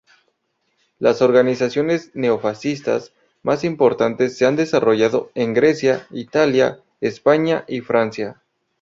Las organizaciones neofascistas más importantes se han desarrollado en Grecia, Italia, España y Francia.